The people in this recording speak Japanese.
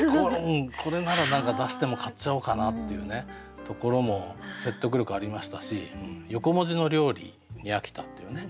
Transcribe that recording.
これなら何か出しても買っちゃおうかなっていうところも説得力ありましたし「横文字の料理に飽きた」っていうね。